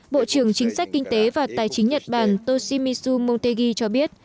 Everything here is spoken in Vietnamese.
bộ trưởng chính sách kinh tế và tài chính nhật bản toshimisu montegi cho biết